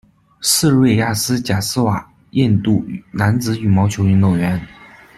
斯瑞亚斯·贾斯瓦，印度男子羽毛球运动员。